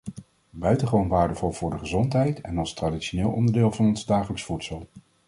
Buitengewoon waardevol voor de gezondheid en als traditioneel onderdeel van ons dagelijks voedsel.